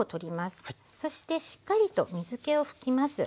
そしてしっかりと水けを拭きます。